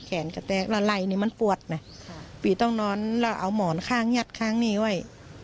แขนกระแตกละไล่นี่มันปวดนะพี่ต้องนอนแล้วเอาหมอนข้างยัดข้างนี้ไว้